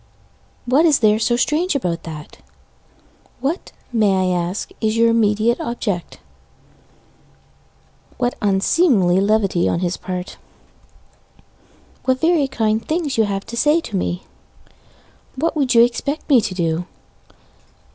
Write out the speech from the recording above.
What is there so strange about that? What, may I ask, is your immediate object? What unseemly levity on his part What very kind things you say to me What would you expect me to do?